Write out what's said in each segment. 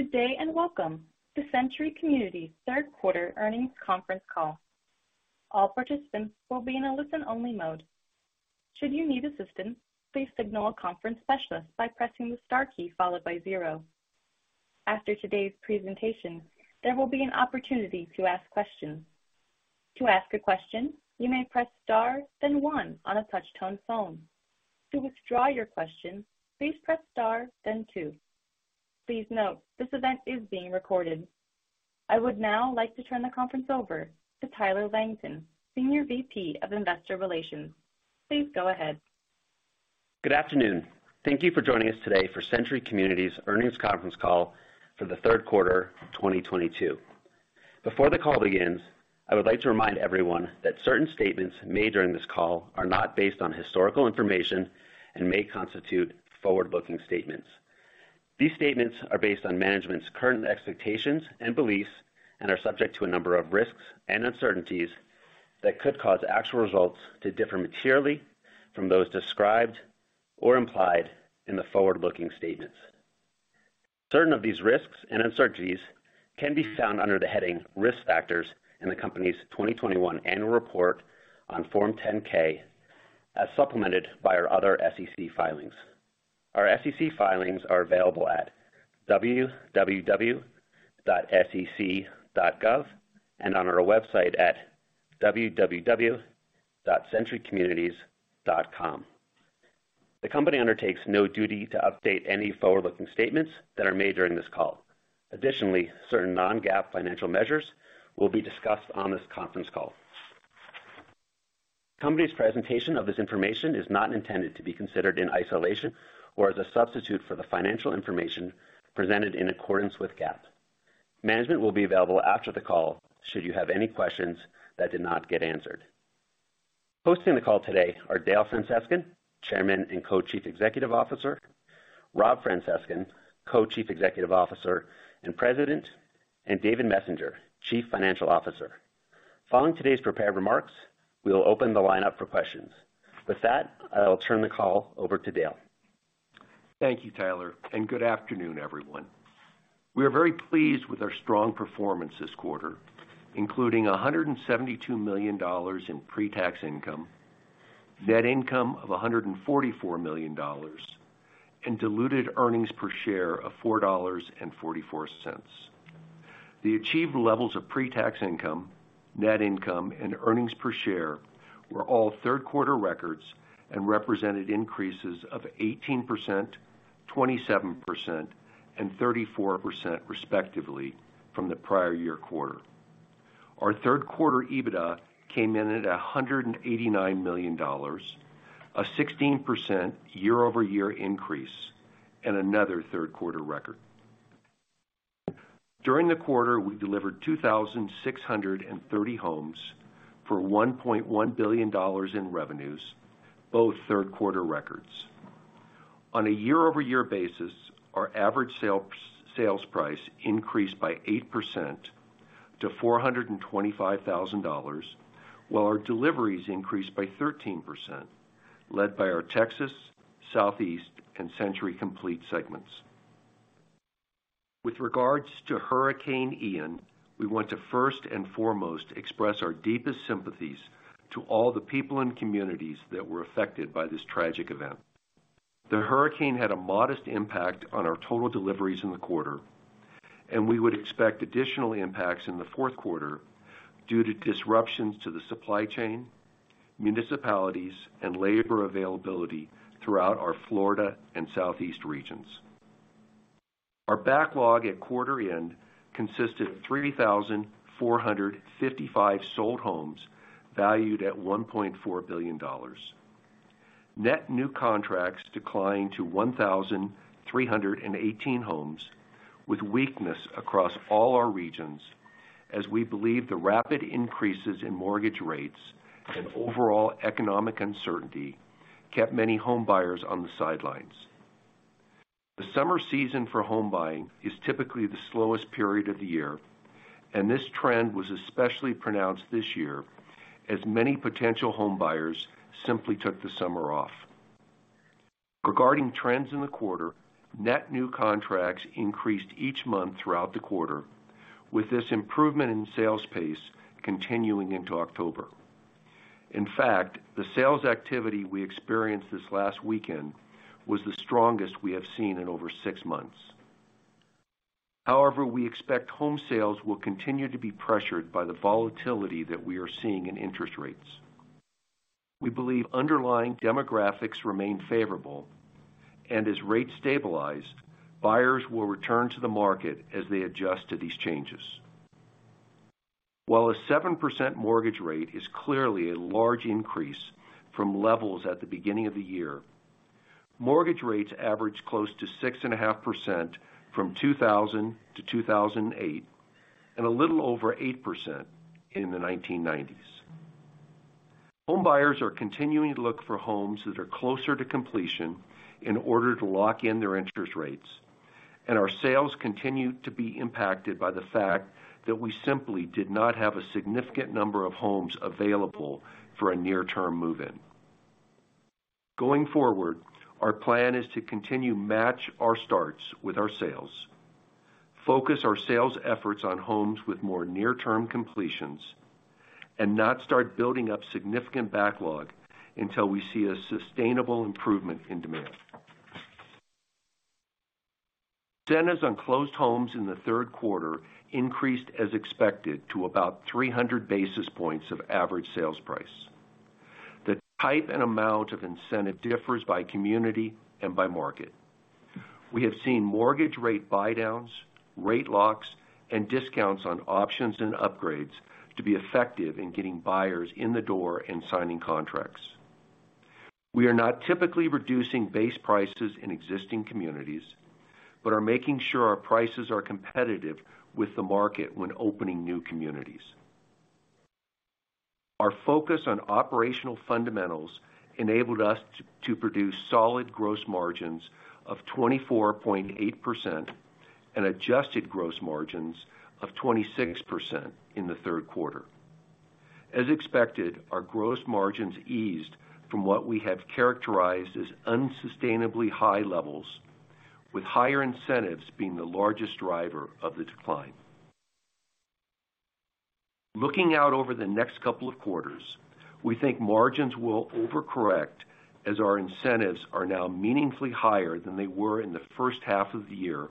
Good day, and welcome to Century Communities Third Quarter Earnings Conference Call. All participants will be in a listen-only mode. Should you need assistance, please signal a conference specialist by pressing the star key followed by zero. After today's presentation, there will be an opportunity to ask questions. To ask a question, you may press star, then one on a touch-tone phone. To withdraw your question, please press star, then two. Please note, this event is being recorded. I would now like to turn the conference over to Tyler Langton, Senior VP of Investor Relations. Please go ahead. Good afternoon. Thank you for joining us today for Century Communities Earnings Conference Call for the third quarter 2022. Before the call begins, I would like to remind everyone that certain statements made during this call are not based on historical information and may constitute forward-looking statements. These statements are based on management's current expectations and beliefs and are subject to a number of risks and uncertainties that could cause actual results to differ materially from those described or implied in the forward-looking statements. Certain of these risks and uncertainties can be found under the heading Risk Factors in the company's 2021 annual report on Form 10-K, as supplemented by our other SEC filings. Our SEC filings are available at www.sec.gov and on our website at www.centurycommunities.com. The company undertakes no duty to update any forward-looking statements that are made during this call. Additionally, certain non-GAAP financial measures will be discussed on this conference call. Company's presentation of this information is not intended to be considered in isolation or as a substitute for the financial information presented in accordance with GAAP. Management will be available after the call, should you have any questions that did not get answered. Hosting the call today are Dale Francescon, Chairman and Co-Chief Executive Officer, Rob Francescon, Co-Chief Executive Officer and President, and David Messenger, Chief Financial Officer. Following today's prepared remarks, we will open the line for questions. With that, I'll turn the call over to Dale. Thank you, Tyler, and good afternoon, everyone. We are very pleased with our strong performance this quarter, including $172 million in pretax income, net income of $144 million, and diluted earnings per share of $4.44. The achieved levels of pretax income, net income, and earnings per share were all third quarter records and represented increases of 18%, 27%, and 34% respectively from the prior year quarter. Our third quarter EBITDA came in at $189 million, a 16% year-over-year increase and another third quarter record. During the quarter, we delivered 2,630 homes for $1.1 billion in revenues, both third quarter records. On a year-over-year basis, our average sales price increased by 8% to $425,000, while our deliveries increased by 13%, led by our Texas, Southeast, and Century Complete segments. With regards to Hurricane Ian, we want to first and foremost express our deepest sympathies to all the people in communities that were affected by this tragic event. The hurricane had a modest impact on our total deliveries in the quarter, and we would expect additional impacts in the fourth quarter due to disruptions to the supply chain, municipalities, and labor availability throughout our Florida and Southeast regions. Our backlog at quarter end consisted of 3,455 sold homes valued at $1.4 billion. Net new contracts declined to 1,318 homes, with weakness across all our regions, as we believe the rapid increases in mortgage rates and overall economic uncertainty kept many home buyers on the sidelines. The summer season for home buying is typically the slowest period of the year, and this trend was especially pronounced this year as many potential home buyers simply took the summer off. Regarding trends in the quarter, net new contracts increased each month throughout the quarter, with this improvement in sales pace continuing into October. In fact, the sales activity we experienced this last weekend was the strongest we have seen in over six months. However, we expect home sales will continue to be pressured by the volatility that we are seeing in interest rates. We believe underlying demographics remain favorable, and as rates stabilize, buyers will return to the market as they adjust to these changes. While a 7% mortgage rate is clearly a large increase from levels at the beginning of the year, mortgage rates average close to 6.5% from 2000-2008, and a little over 8% in the 1990s. Home buyers are continuing to look for homes that are closer to completion in order to lock in their interest rates, and our sales continue to be impacted by the fact that we simply did not have a significant number of homes available for a near-term move-in. Going forward, our plan is to continue to match our starts with our sales, focus our sales efforts on homes with more near-term completions, and not start building up significant backlog until we see a sustainable improvement in demand. Incentives on closed homes in the third quarter increased as expected to about 300 basis points of average sales price. The type and amount of incentive differs by community and by market. We have seen mortgage rate buydowns, rate locks, and discounts on options and upgrades to be effective in getting buyers in the door and signing contracts. We are not typically reducing base prices in existing communities, but are making sure our prices are competitive with the market when opening new communities. Our focus on operational fundamentals enabled us to produce solid gross margins of 24.8% and adjusted gross margins of 26% in the third quarter. As expected, our gross margins eased from what we have characterized as unsustainably high levels, with higher incentives being the largest driver of the decline. Looking out over the next couple of quarters, we think margins will over-correct as our incentives are now meaningfully higher than they were in the first half of the year,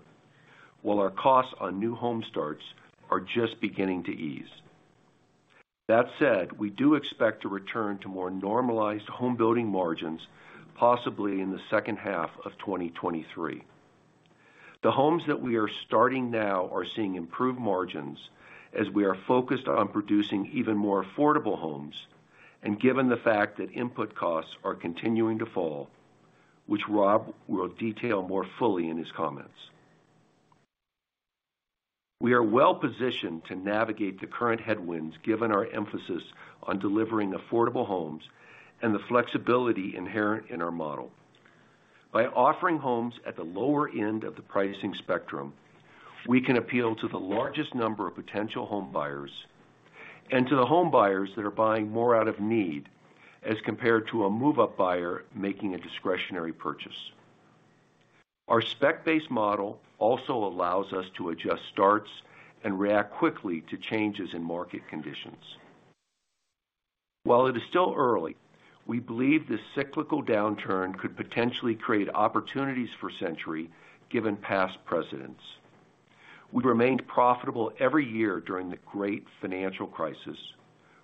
while our costs on new home starts are just beginning to ease. That said, we do expect to return to more normalized home building margins, possibly in the second half of 2023. The homes that we are starting now are seeing improved margins as we are focused on producing even more affordable homes, and given the fact that input costs are continuing to fall, which Rob will detail more fully in his comments. We are well-positioned to navigate the current headwinds given our emphasis on delivering affordable homes and the flexibility inherent in our model. By offering homes at the lower end of the pricing spectrum, we can appeal to the largest number of potential home buyers and to the home buyers that are buying more out of need as compared to a move-up buyer making a discretionary purchase. Our spec-based model also allows us to adjust starts and react quickly to changes in market conditions. While it is still early, we believe this cyclical downturn could potentially create opportunities for Century given past precedents. We remained profitable every year during the great financial crisis.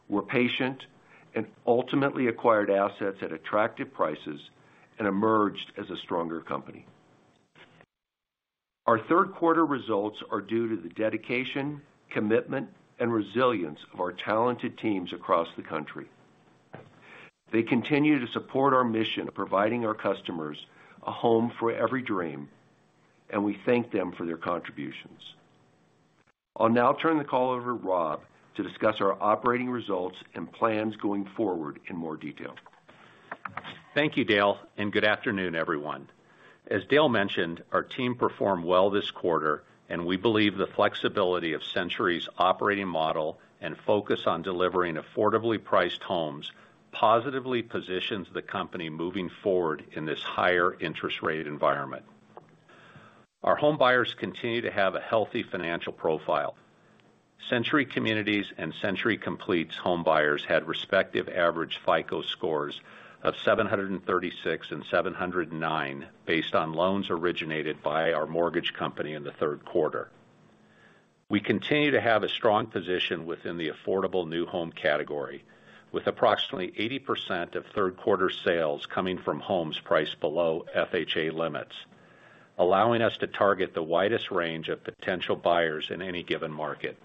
We're patient and ultimately acquired assets at attractive prices and emerged as a stronger company. Our third quarter results are due to the dedication, commitment, and resilience of our talented teams across the country. They continue to support our mission of providing our customers a home for every dream, and we thank them for their contributions. I'll now turn the call over to Rob to discuss our operating results and plans going forward in more detail. Thank you, Dale, and good afternoon, everyone. As Dale mentioned, our team performed well this quarter and we believe the flexibility of Century's operating model and focus on delivering affordably priced homes positively positions the company moving forward in this higher interest rate environment. Our home buyers continue to have a healthy financial profile. Century Communities and Century Complete home buyers had respective average FICO scores of 736 and 709 based on loans originated by our mortgage company in the third quarter. We continue to have a strong position within the affordable new home category, with approximately 80% of third quarter sales coming from homes priced below FHA limits, allowing us to target the widest range of potential buyers in any given market.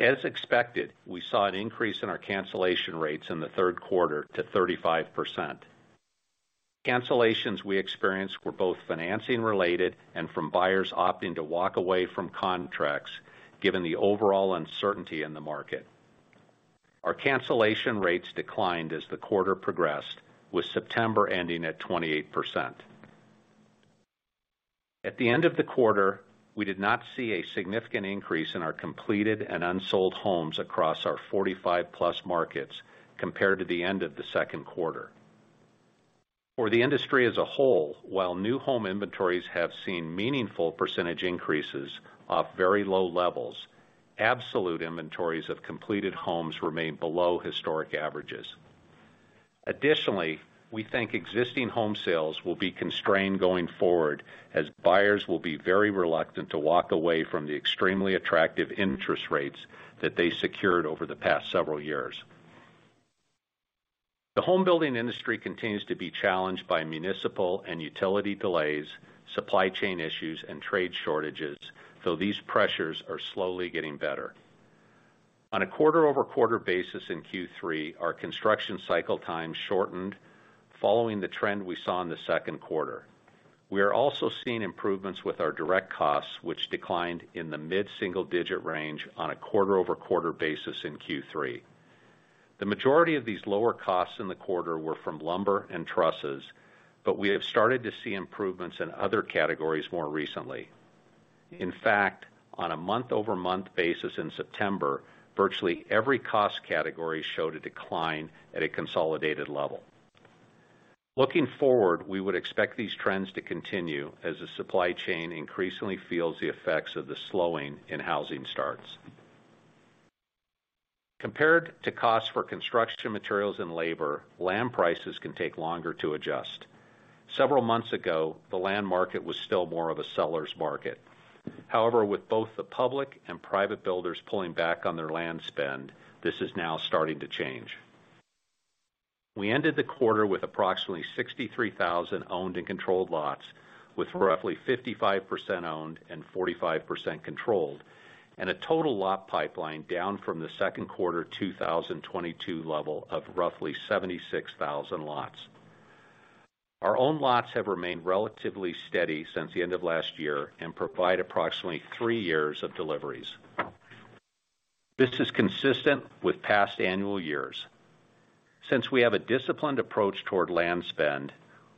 As expected, we saw an increase in our cancellation rates in the third quarter to 35%. Cancellations we experienced were both financing-related and from buyers opting to walk away from contracts given the overall uncertainty in the market. Our cancellation rates declined as the quarter progressed, with September ending at 28%. At the end of the quarter, we did not see a significant increase in our completed and unsold homes across our 45+ markets compared to the end of the second quarter. For the industry as a whole, while new home inventories have seen meaningful percentage increases off very low levels, absolute inventories of completed homes remain below historic averages. Additionally, we think existing home sales will be constrained going forward as buyers will be very reluctant to walk away from the extremely attractive interest rates that they secured over the past several years. The home building industry continues to be challenged by municipal and utility delays, supply chain issues, and trade shortages, though these pressures are slowly getting better. On a quarter-over-quarter basis in Q3, our construction cycle time shortened following the trend we saw in the second quarter. We are also seeing improvements with our direct costs, which declined in the mid-single-digit range on a quarter-over-quarter basis in Q3. The majority of these lower costs in the quarter were from lumber and trusses, but we have started to see improvements in other categories more recently. In fact, on a month-over-month basis in September, virtually every cost category showed a decline at a consolidated level. Looking forward, we would expect these trends to continue as the supply chain increasingly feels the effects of the slowing in housing starts. Compared to costs for construction materials and labor, land prices can take longer to adjust. Several months ago, the land market was still more of a seller's market. However, with both the public and private builders pulling back on their land spend, this is now starting to change. We ended the quarter with approximately 63,000 owned and controlled lots, with roughly 55% owned and 45% controlled, and a total lot pipeline down from the second quarter 2022 level of roughly 76,000 lots. Our own lots have remained relatively steady since the end of last year and provide approximately three years of deliveries. This is consistent with past annual years. Since we have a disciplined approach toward land spend,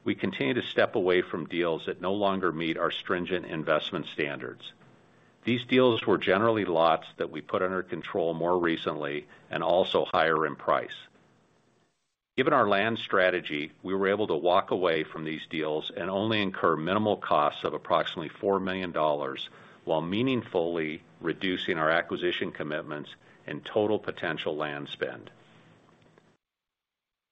we continue to step away from deals that no longer meet our stringent investment standards. These deals were generally lots that we put under control more recently and also higher in price. Given our land strategy, we were able to walk away from these deals and only incur minimal costs of approximately $4 million while meaningfully reducing our acquisition commitments and total potential land spend.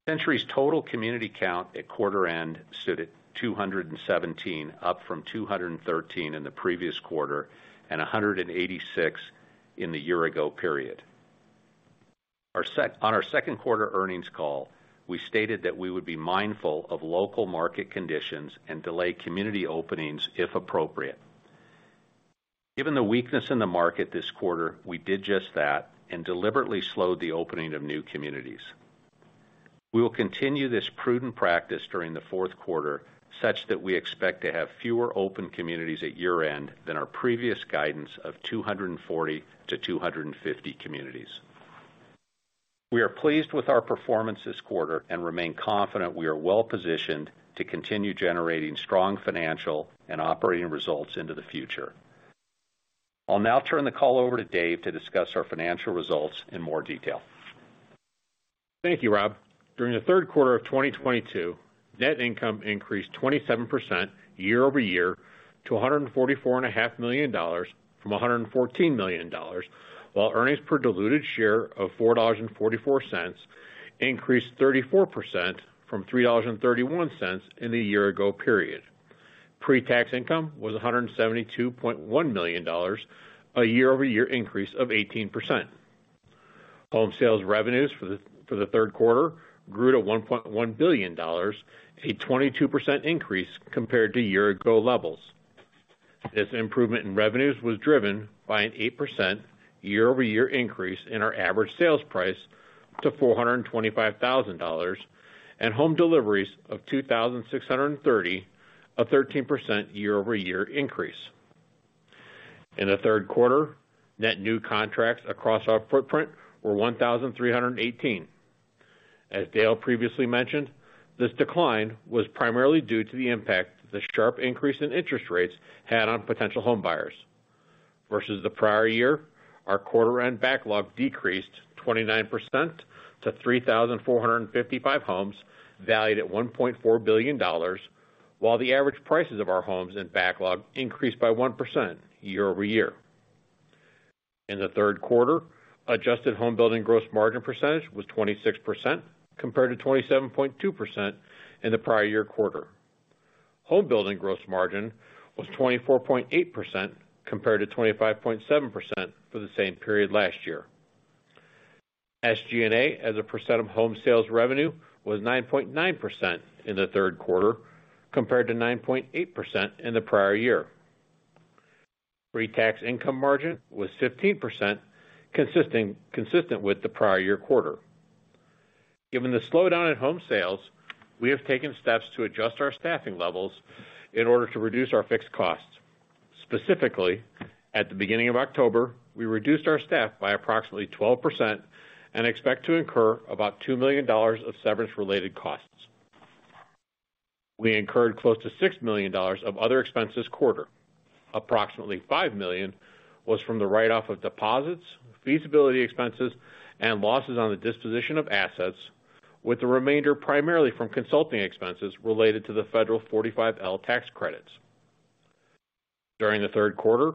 Century's total community count at quarter end stood at 217, up from 213 in the previous quarter and 186 in the year ago period. On our Second Quarter Earnings Call, we stated that we would be mindful of local market conditions and delay community openings if appropriate. Given the weakness in the market this quarter, we did just that and deliberately slowed the opening of new communities. We will continue this prudent practice during the fourth quarter such that we expect to have fewer open communities at year-end than our previous guidance of 240-250 communities. We are pleased with our performance this quarter and remain confident we are well-positioned to continue generating strong financial and operating results into the future. I'll now turn the call over to Dave to discuss our financial results in more detail. Thank you, Rob. During the third quarter of 2022, net income increased 27% year-over-year to $144.5 million from $114 million, while earnings per diluted share of $4.44 increased 34% from $3.31 in the year ago period. Pre-tax income was $172.1 million, a year-over-year increase of 18%. Home sales revenues for the third quarter grew to $1.1 billion, a 22% increase compared to year ago levels. This improvement in revenues was driven by an 8% year-over-year increase in our average sales price to $425,000 and home deliveries of 2,630, a 13% year-over-year increase. In the third quarter, net new contracts across our footprint were 1,318. As Dale previously mentioned, this decline was primarily due to the impact the sharp increase in interest rates had on potential home buyers. Versus the prior year, our quarter-end backlog decreased 29% to 3,455 homes valued at $1.4 billion, while the average prices of our homes in backlog increased by 1% year-over-year. In the third quarter, adjusted home building gross margin percentage was 26% compared to 27.2% in the prior year quarter. Home building gross margin was 24.8% compared to 25.7% for the same period last year. SG&A as a percent of home sales revenue was 9.9% in the third quarter compared to 9.8% in the prior year. Pre-tax income margin was 15%, consistent with the prior year quarter. Given the slowdown in home sales, we have taken steps to adjust our staffing levels in order to reduce our fixed costs. Specifically, at the beginning of October, we reduced our staff by approximately 12% and expect to incur about $2 million of severance-related costs. We incurred close to $6 million of other expenses in the quarter. Approximately $5 million was from the write-off of deposits, feasibility expenses, and losses on the disposition of assets, with the remainder primarily from consulting expenses related to the federal Section 45L tax credits. During the third quarter,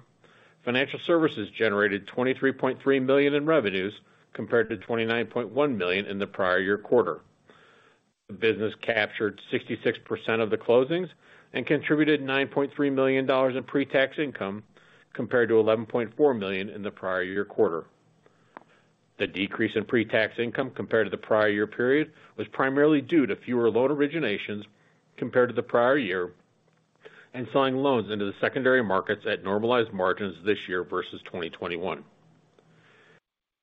financial services generated $23.3 million in revenues compared to $29.1 million in the prior year quarter. The business captured 66% of the closings and contributed $9.3 million in pre-tax income compared to $11.4 million in the prior year quarter. The decrease in pre-tax income compared to the prior year period was primarily due to fewer loan originations compared to the prior year and selling loans into the secondary markets at normalized margins this year versus 2021.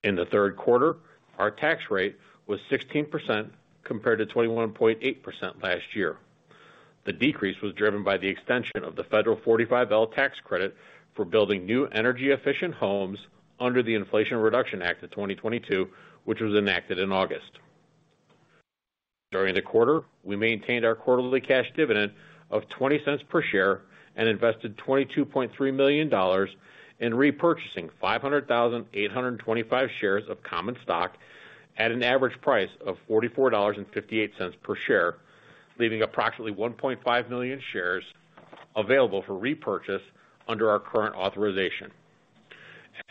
In the third quarter, our tax rate was 16% compared to 21.8% last year. The decrease was driven by the extension of the Section 45L tax credit for building new energy efficient homes under the Inflation Reduction Act of 2022, which was enacted in August. During the quarter, we maintained our quarterly cash dividend of $0.20 per share and invested $22.3 million in repurchasing 500,825 shares of common stock at an average price of $44.58 per share, leaving approximately 1.5 million shares available for repurchase under our current authorization.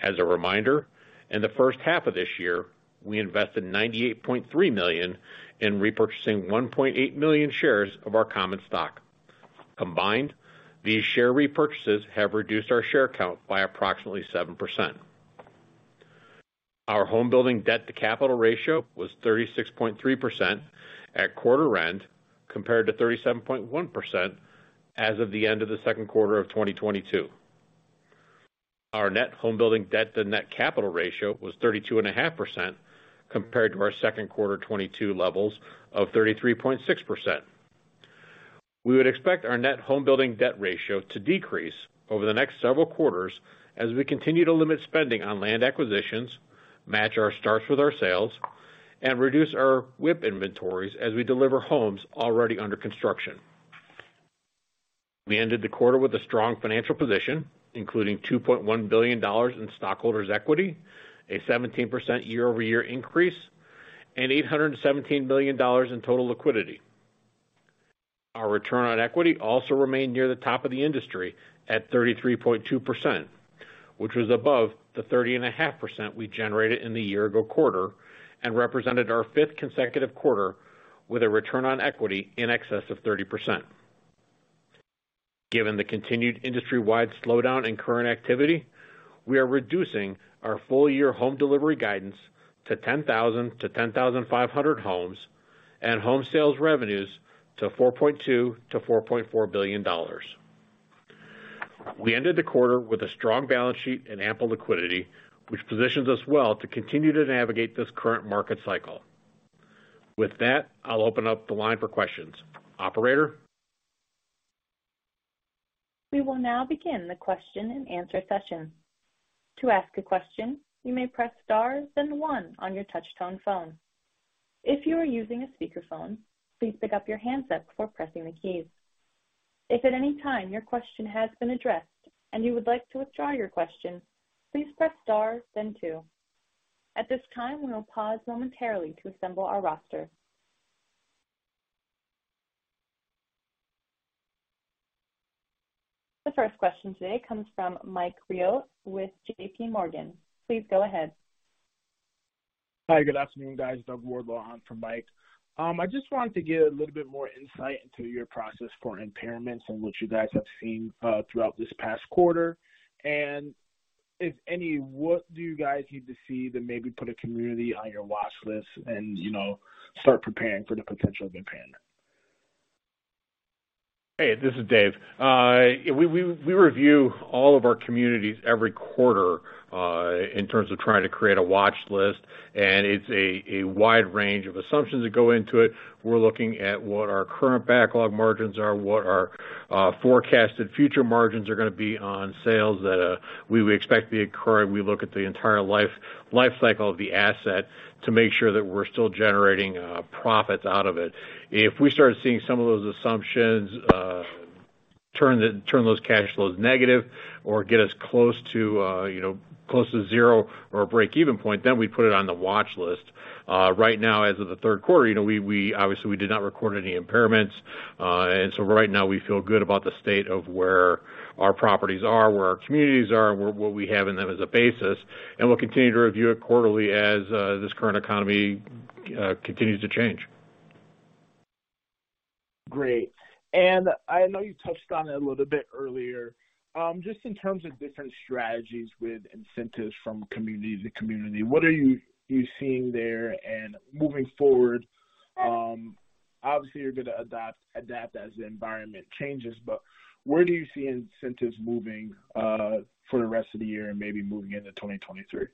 As a reminder, in the first half of this year, we invested $98.3 million in repurchasing 1.8 million shares of our common stock. Combined, these share repurchases have reduced our share count by approximately 7%. Our home building debt-to-capital ratio was 36.3% at quarter end, compared to 37.1% as of the end of the second quarter of 2022. Our net home building debt-to-net capital ratio was 32.5% compared to our second quarter 2022 levels of 33.6%. We would expect our net home building debt ratio to decrease over the next several quarters as we continue to limit spending on land acquisitions, match our starts with our sales, and reduce our WIP inventories as we deliver homes already under construction. We ended the quarter with a strong financial position, including $2.1 billion in stockholders' equity, a 17% year-over-year increase, and $817 million in total liquidity. Our return on equity also remained near the top of the industry at 33.2%, which was above the 30.5% we generated in the year-ago quarter and represented our fifth consecutive quarter with a return on equity in excess of 30%. Given the continued industry-wide slowdown in current activity, we are reducing our full-year home delivery guidance to 10,000-10,500 homes and home sales revenues to $4.2 billion-$4.4 billion. We ended the quarter with a strong balance sheet and ample liquidity, which positions us well to continue to navigate this current market cycle. With that, I'll open up the line for questions. Operator? We will now begin the question-and-answer session. To ask a question, you may press star then one on your touch tone phone. If you are using a speakerphone, please pick up your handset before pressing the keys. If at any time your question has been addressed and you would like to withdraw your question, please press star then two. At this time, we will pause momentarily to assemble our roster. The first question today comes from Michael Rehaut with JPMorgan. Please go ahead. Hi, good afternoon, guys. Douglas Wardlaw on for Mike. I just wanted to get a little bit more insight into your process for impairments and what you guys have seen throughout this past quarter. If any, what do you guys need to see to maybe put a community on your watch list and, you know, start preparing for the potential impairment? Hey, this is Dave. Yeah, we review all of our communities every quarter in terms of trying to create a watch list, and it's a wide range of assumptions that go into it. We're looking at what our current backlog margins are, what our forecasted future margins are gonna be on sales that we would expect to be occurring. We look at the entire life cycle of the asset to make sure that we're still generating profits out of it. If we start seeing some of those assumptions turn those cash flows negative or get us close to, you know, close to zero or a break-even point, then we put it on the watch list. Right now, as of the third quarter, you know, we obviously did not record any impairments. Right now we feel good about the state of where our properties are, where our communities are, what we have in them as a basis, and we'll continue to review it quarterly as this current economy continues to change. Great. I know you touched on it a little bit earlier. Just in terms of different strategies with incentives from community to community, what are you seeing there? Moving forward, obviously you're gonna adapt as the environment changes, but where do you see incentives moving for the rest of the year and maybe moving into 2023?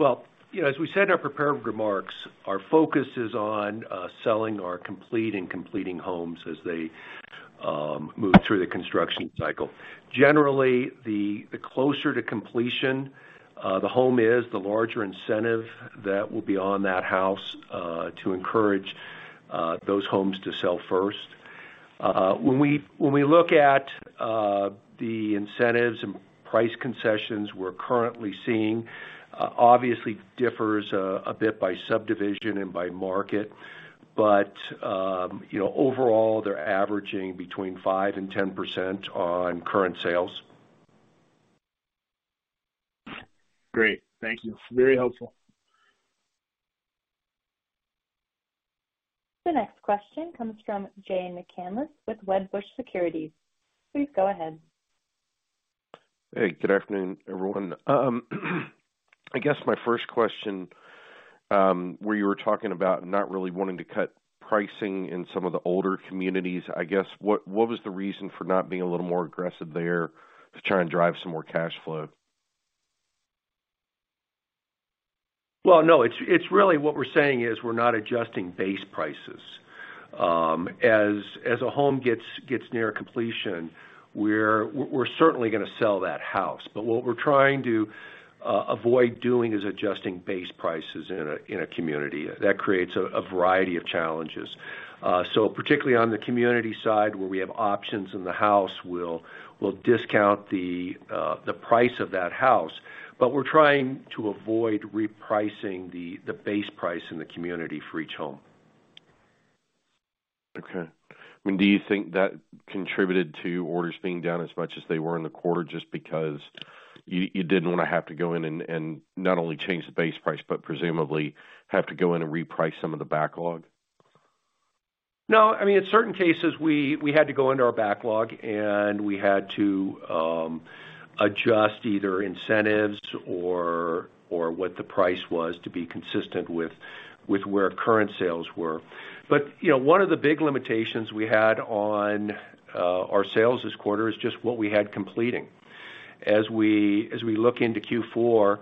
Well, you know, as we said in our prepared remarks, our focus is on selling our complete and completing homes as they move through the construction cycle. Generally, the closer to completion the home is, the larger incentive that will be on that house to encourage those homes to sell first. When we look at the incentives and price concessions we're currently seeing, obviously differs a bit by subdivision and by market. You know, overall, they're averaging between 5%-10% on current sales. Great. Thank you. Very helpful. The next question comes from Jay McCanless with Wedbush Securities. Please go ahead. Hey, good afternoon, everyone. I guess my first question, where you were talking about not really wanting to cut pricing in some of the older communities, I guess, what was the reason for not being a little more aggressive there to try and drive some more cash flow? Well, no. It's really what we're saying is we're not adjusting base prices. As a home gets near completion, we're certainly gonna sell that house. What we're trying to avoid doing is adjusting base prices in a community. That creates a variety of challenges. Particularly on the community side where we have options in the house, we'll discount the price of that house. We're trying to avoid repricing the base price in the community for each home. Okay. I mean, do you think that contributed to orders being down as much as they were in the quarter just because you didn't wanna have to go in and not only change the base price, but presumably have to go in and reprice some of the backlog? No. I mean, in certain cases, we had to go into our backlog, and we had to adjust either incentives or what the price was to be consistent with where current sales were. You know, one of the big limitations we had on our sales this quarter is just what we had completing. As we look into Q4,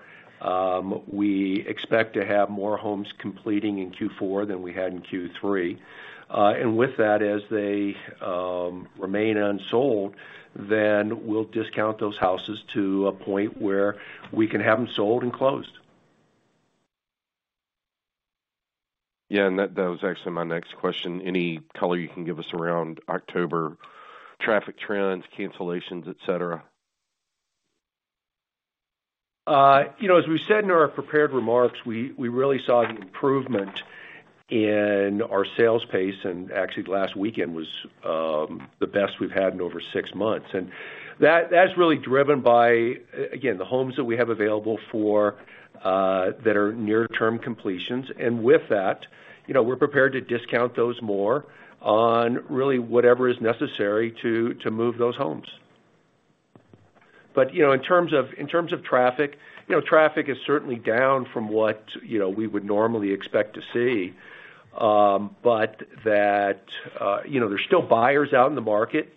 we expect to have more homes completing in Q4 than we had in Q3. With that, as they remain unsold, then we'll discount those houses to a point where we can have them sold and closed. Yeah, that was actually my next question. Any color you can give us around October traffic trends, cancellations, et cetera? You know, as we said in our prepared remarks, we really saw an improvement in our sales pace, and actually last weekend was the best we've had in over six months. That's really driven by again, the homes that we have available for that are near-term completions. With that, you know, we're prepared to discount those more on really whatever is necessary to move those homes. You know, in terms of traffic, you know, traffic is certainly down from what you know, we would normally expect to see. That, you know, there's still buyers out in the market.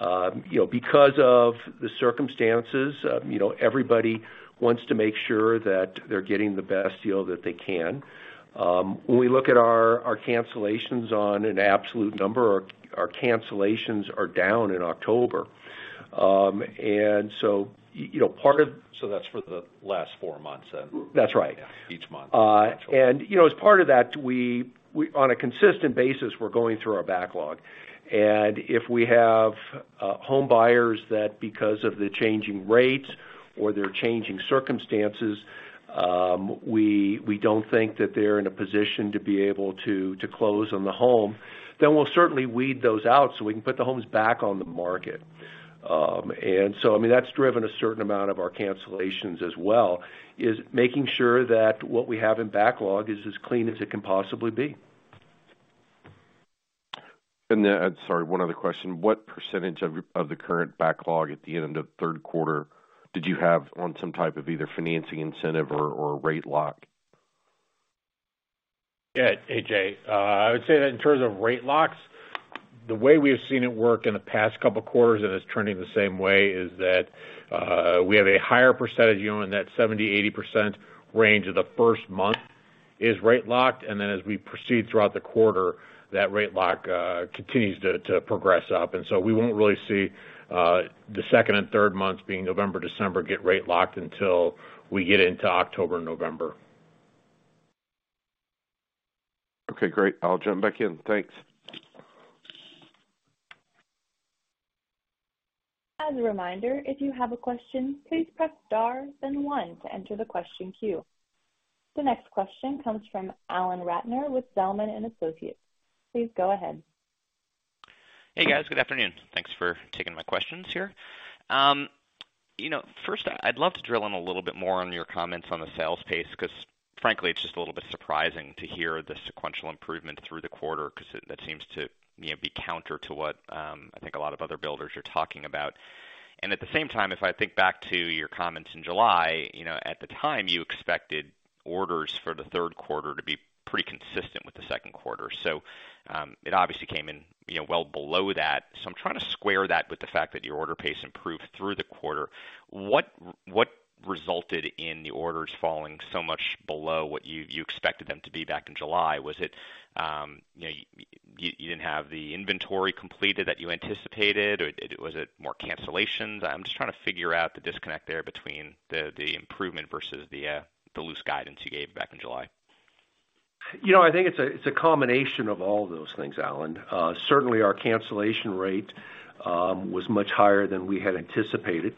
You know, because of the circumstances, you know, everybody wants to make sure that they're getting the best deal that they can. When we look at our cancellations on an absolute number, our cancellations are down in October. You know, part of. That's for the last four months then? That's right. Each month. you know, as part of that, we on a consistent basis, we're going through our backlog. If we have home buyers that because of the changing rates or their changing circumstances, we don't think that they're in a position to be able to close on the home, then we'll certainly weed those out so we can put the homes back on the market. I mean, that's driven a certain amount of our cancellations as well, is making sure that what we have in backlog is as clean as it can possibly be. Sorry, one other question. What percentage of the current backlog at the end of the third quarter did you have on some type of either financing incentive or rate lock? Yeah, AJ. I would say that in terms of rate locks, the way we have seen it work in the past couple quarters, and it's trending the same way, is that we have a higher percentage, you know, in that 70%-80% range of the first month is rate locked, and then as we proceed throughout the quarter, that rate lock continues to progress up. We won't really see the second and third months being November, December, get rate locked until we get into October, November. Okay, great. I'll jump back in. Thanks. As a reminder, if you have a question, please press star then one to enter the question queue. The next question comes from Alan Ratner with Zelman & Associates. Please go ahead. Hey, guys. Good afternoon. Thanks for taking my questions here. You know, first, I'd love to drill in a little bit more on your comments on the sales pace, 'cause frankly, it's just a little bit surprising to hear the sequential improvement through the quarter cause that seems to, you know, be counter to what I think a lot of other builders are talking about. At the same time, if I think back to your comments in July, you know, at the time, you expected orders for the third quarter to be pretty consistent with the second quarter. It obviously came in, you know, well below that. I'm trying to square that with the fact that your order pace improved through the quarter. What resulted in the orders falling so much below what you expected them to be back in July? Was it, you know, you didn't have the inventory completed that you anticipated? Or was it more cancellations? I'm just trying to figure out the disconnect there between the improvement versus the loose guidance you gave back in July. I think it's a combination of all those things, Alan. Certainly our cancellation rate was much higher than we had anticipated.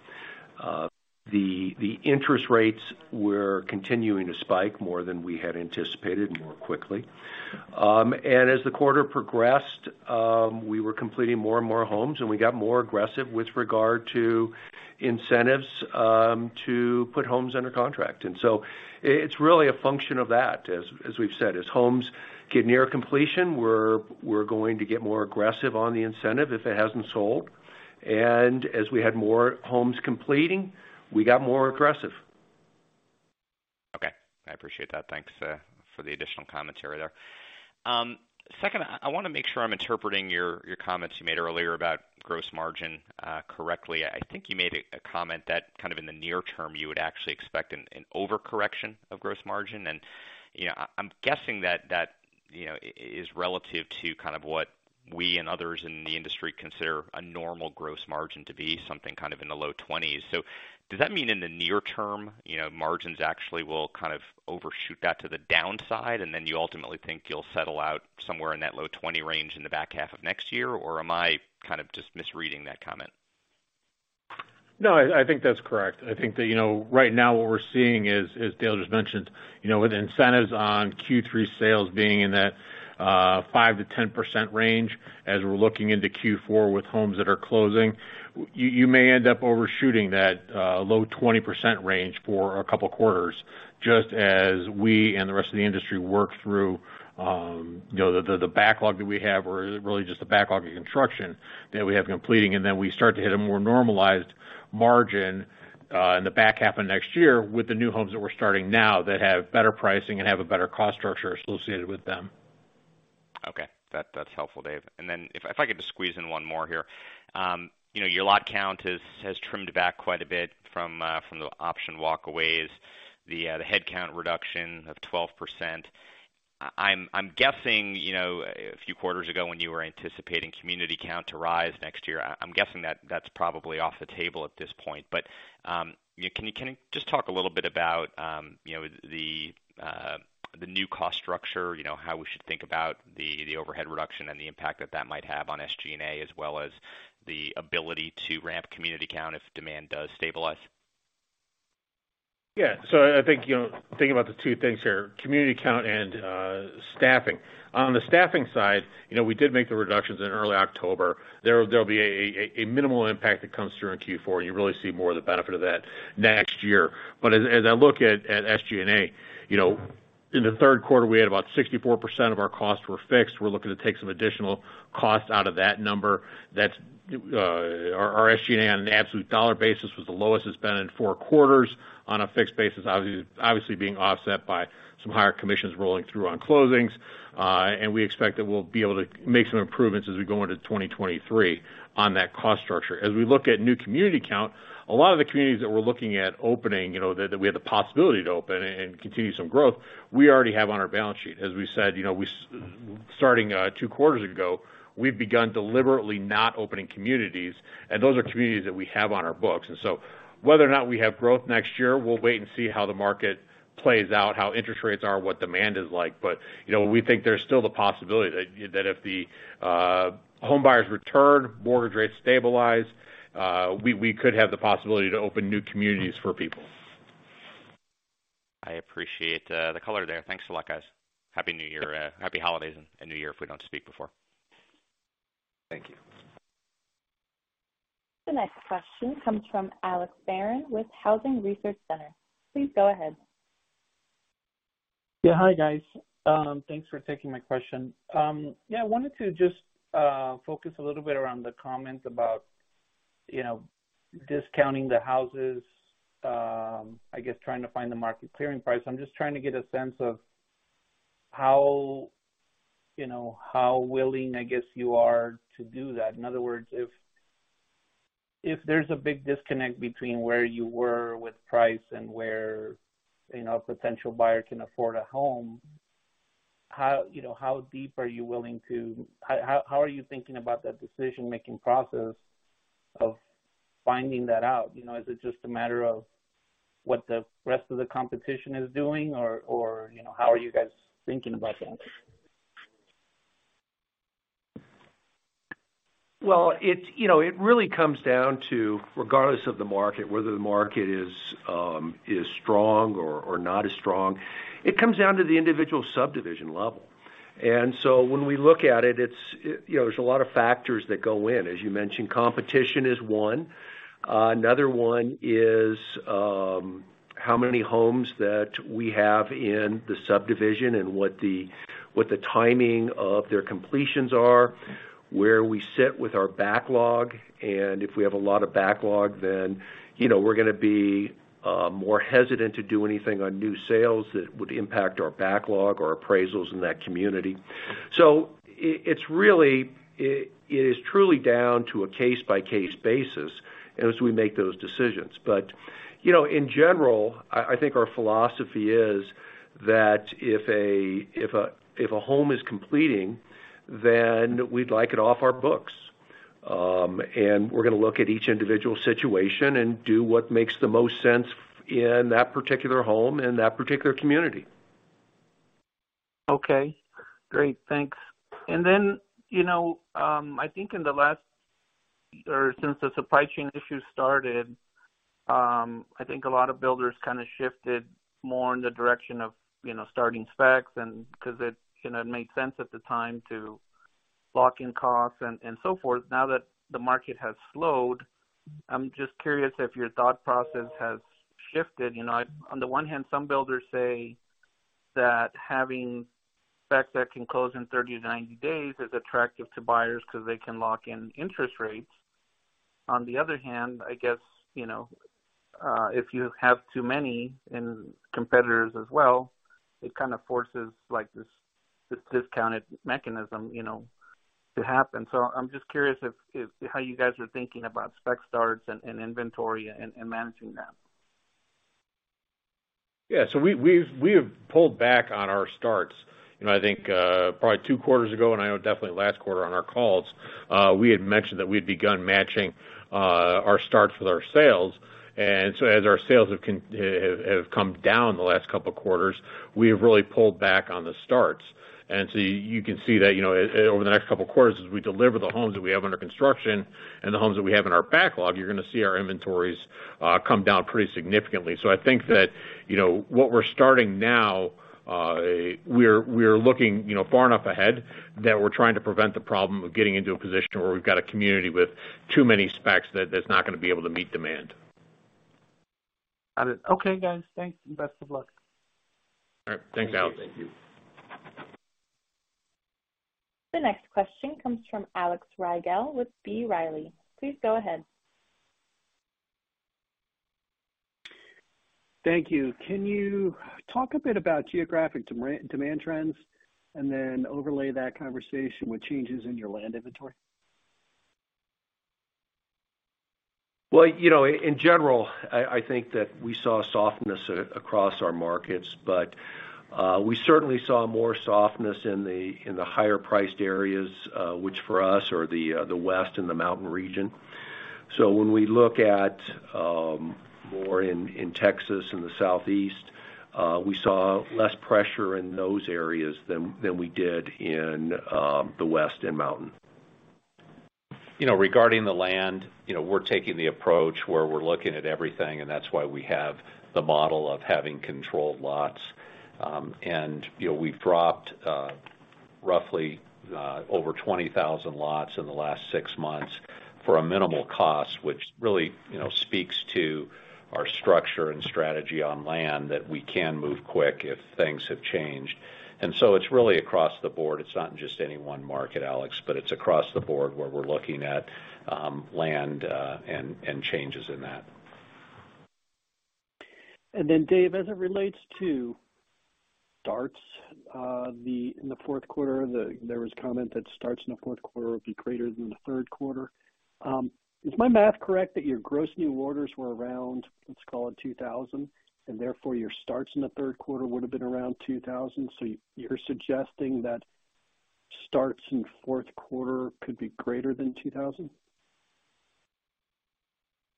The interest rates were continuing to spike more than we had anticipated, more quickly. As the quarter progressed, we were completing more and more homes, and we got more aggressive with regard to incentives to put homes under contract. It's really a function of that, as we've said. As homes get near completion, we're going to get more aggressive on the incentive if it hasn't sold. As we had more homes completing, we got more aggressive. Okay. I appreciate that. Thanks, for the additional commentary there. Second, I wanna make sure I'm interpreting your comments you made earlier about gross margin, correctly. I think you made a comment that kind of in the near term, you would actually expect an overcorrection of gross margin. You know, I'm guessing that that is relative to kind of what we and others in the industry consider a normal gross margin to be something kind of in the low 20%s. Does that mean in the near term, you know, margins actually will kind of overshoot that to the downside, and then you ultimately think you'll settle out somewhere in that low 20% range in the back half of next year? Or am I kind of just misreading that comment? No, I think that's correct. I think that, you know, right now what we're seeing is, as Dale just mentioned, you know, with incentives on Q3 sales being in that 5%-10% range as we're looking into Q4 with homes that are closing, you may end up overshooting that low 20% range for a couple of quarters, just as we and the rest of the industry work through, you know, the backlog that we have, or really just the backlog of construction that we have completing, and then we start to hit a more normalized margin in the back half of next year with the new homes that we're starting now that have better pricing and have a better cost structure associated with them. Okay. That's helpful, Dave. If I could just squeeze in one more here. You know, your lot count has trimmed back quite a bit from the option walkaways, the headcount reduction of 12%. I'm guessing, you know, a few quarters ago when you were anticipating community count to rise next year, I'm guessing that's probably off the table at this point. Can you just talk a little bit about, you know, the new cost structure, you know, how we should think about the overhead reduction and the impact that might have on SG&A, as well as the ability to ramp community count if demand does stabilize? Yeah. I think, you know, thinking about the two things here, community count and staffing. On the staffing side, you know, we did make the reductions in early October. There'll be a minimal impact that comes through in Q4. You really see more of the benefit of that next year. But as I look at SG&A, you know, in the third quarter, we had about 64% of our costs were fixed. We're looking to take some additional costs out of that number. That's our SG&A on an absolute dollar basis was the lowest it's been in four quarters on a fixed basis, obviously being offset by some higher commissions rolling through on closings. And we expect that we'll be able to make some improvements as we go into 2023 on that cost structure. As we look at new community count, a lot of the communities that we're looking at opening, we have the possibility to open and continue some growth, we already have on our balance sheet. As we said, starting two quarters ago, we've begun deliberately not opening communities, and those are communities that we have on our books. Whether or not we have growth next year, we'll wait and see how the market plays out, how interest rates are, what demand is like. We think there's still the possibility that if the home buyers return, mortgage rates stabilize, we could have the possibility to open new communities for people. I appreciate, the color there. Thanks a lot, guys. Happy New Year. Happy holidays and New Year if we don't speak before. Thank you. The next question comes from Alex Barrón with Housing Research Center. Please go ahead. Yeah. Hi, guys. Thanks for taking my question. Yeah, I wanted to just focus a little bit around the comment about, you know, discounting the houses, I guess trying to find the market clearing price. I'm just trying to get a sense of how, you know, how willing, I guess, you are to do that. In other words, if there's a big disconnect between where you were with price and where, you know, a potential buyer can afford a home, how are you thinking about that decision-making process of finding that out? You know, is it just a matter of what the rest of the competition is doing, or, you know, how are you guys thinking about that? Well, you know, it really comes down to, regardless of the market, whether the market is strong or not as strong, it comes down to the individual subdivision level. When we look at it's, you know, there's a lot of factors that go in. As you mentioned, competition is one. Another one is, how many homes that we have in the subdivision and what the timing of their completions are, where we sit with our backlog, and if we have a lot of backlog, then, you know, we're gonna be more hesitant to do anything on new sales that would impact our backlog or appraisals in that community. It's really, it is truly down to a case-by-case basis as we make those decisions. you know, in general, I think our philosophy is that if a home is completing, then we'd like it off our books. We're gonna look at each individual situation and do what makes the most sense in that particular home, in that particular community. Okay. Great. Thanks. You know, I think in the last or since the supply chain issue started, I think a lot of builders kind of shifted more in the direction of, you know, starting specs and because it, you know, made sense at the time to lock in costs and so forth. Now that the market has slowed, I'm just curious if your thought process has shifted. You know, on the one hand, some builders say that having specs that can close in 30-90 days is attractive to buyers because they can lock in interest rates. On the other hand, I guess, you know, if you have too many in competitors as well, it kind of forces like this discounted mechanism, you know, to happen. I'm just curious if how you guys are thinking about spec starts and inventory and managing that. We have pulled back on our starts. You know, I think probably two quarters ago, and I know definitely last quarter on our calls, we had mentioned that we'd begun matching our starts with our sales. As our sales have come down the last couple of quarters, we have really pulled back on the starts. You can see that, you know, over the next couple of quarters, as we deliver the homes that we have under construction and the homes that we have in our backlog, you're gonna see our inventories come down pretty significantly. I think that, you know, what we're starting now, we're looking, you know, far enough ahead that we're trying to prevent the problem of getting into a position where we've got a community with too many specs that there's not gonna be able to meet demand. Got it. Okay, guys. Thanks, and best of luck. All right. Thanks, Alan. Thank you. The next question comes from Alex Rygiel with B. Riley. Please go ahead. Thank you. Can you talk a bit about geographic demand trends and then overlay that conversation with changes in your land inventory? Well, you know, in general, I think that we saw softness across our markets, but we certainly saw more softness in the higher priced areas, which for us are the West and the Mountain region. When we look at more in Texas and the Southeast, we saw less pressure in those areas than we did in the West and Mountain. You know, regarding the land, you know, we're taking the approach where we're looking at everything, and that's why we have the model of having controlled lots. You know, we've dropped roughly over 20,000 lots in the last six months for a minimal cost, which really, you know, speaks to our structure and strategy on land that we can move quick if things have changed. It's really across the board. It's not in just any one market, Alex, but it's across the board where we're looking at land and changes in that. Dave, as it relates to starts, in the fourth quarter, there was comment that starts in the fourth quarter will be greater than the third quarter. Is my math correct that your gross new orders were around, let's call it 2,000, and therefore your starts in the third quarter would have been around 2,000? You're suggesting that starts in fourth quarter could be greater than 2,000?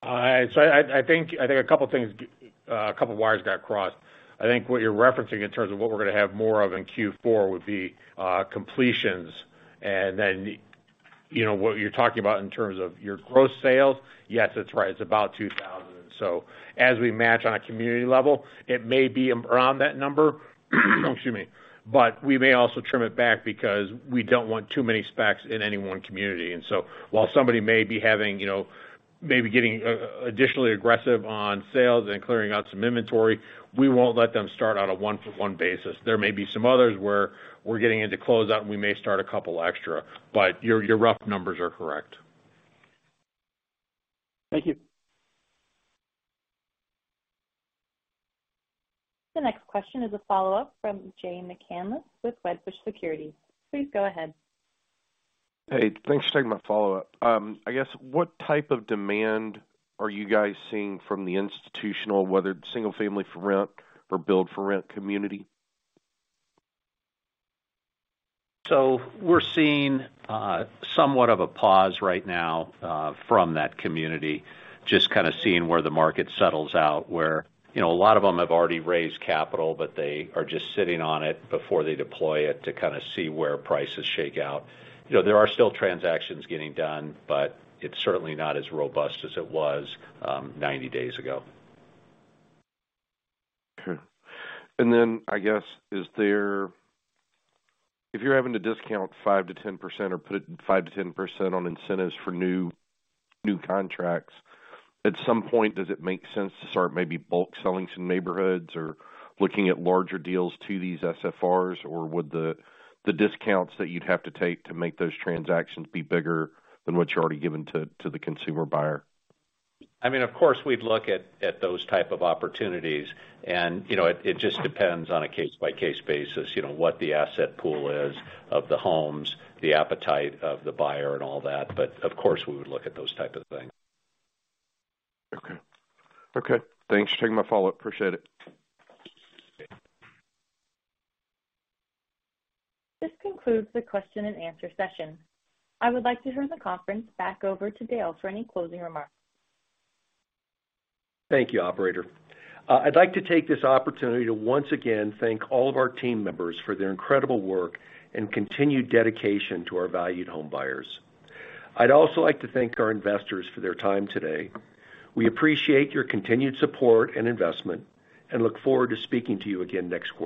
I think a couple things, a couple wires got crossed. I think what you're referencing in terms of what we're gonna have more of in Q4 would be completions. You know, what you're talking about in terms of your gross sales, yes, that's right, it's about 2,000. As we match on a community level, it may be around that number, excuse me, but we may also trim it back because we don't want too many specs in any one community. While somebody may be having, you know, maybe getting additionally aggressive on sales and clearing out some inventory, we won't let them start on a one-for-one basis. There may be some others where we're getting into close out and we may start a couple extra, but your rough numbers are correct. Thank you. The next question is a follow-up from Jay McCanless with Wedbush Securities. Please go ahead. Hey, thanks for taking my follow-up. I guess, what type of demand are you guys seeing from the institutional, whether it's single family for rent or build for rent community? We're seeing somewhat of a pause right now from that community, just kind of seeing where the market settles out. Where, you know, a lot of them have already raised capital, but they are just sitting on it before they deploy it to kind of see where prices shake out. You know, there are still transactions getting done, but it's certainly not as robust as it was 90 days ago. Sure. I guess, is there? If you're having to discount 5%-10% or put 5%-10% on incentives for new contracts, at some point, does it make sense to start maybe bulk selling some neighborhoods or looking at larger deals to these SFRs? Or would the discounts that you'd have to take to make those transactions be bigger than what you're already given to the consumer buyer? I mean, of course, we'd look at those type of opportunities. You know, it just depends on a case-by-case basis, you know, what the asset pool is of the homes, the appetite of the buyer and all that. Of course, we would look at those type of things. Okay, thanks for taking my follow-up. Appreciate it. This concludes the question and answer session. I would like to turn the conference back over to Dale for any closing remarks. Thank you, operator. I'd like to take this opportunity to once again thank all of our team members for their incredible work and continued dedication to our valued home buyers. I'd also like to thank our investors for their time today. We appreciate your continued support and investment and look forward to speaking to you again next quarter.